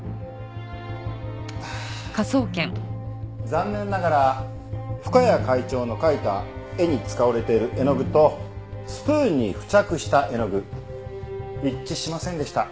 残念ながら深谷会長の描いた絵に使われている絵の具とスプーンに付着した絵の具一致しませんでした。